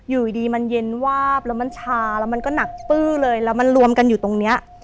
อยู่ดีมันเย็นวาบแล้วมันชาแล้วมันก็หนักปื้อเลยแล้วมันรวมกันอยู่ตรงเนี้ย